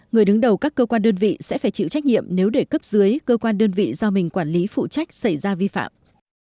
người đứng đầu các cơ quan đơn vị sẽ phải chịu trách nhiệm nếu để cấp dưới cơ quan đơn vị do mình quản lý phụ trách xảy ra vi phạm